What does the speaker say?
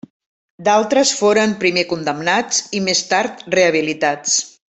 D'altres foren primer condemnats i més tard rehabilitats.